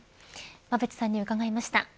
馬渕さんに伺いました。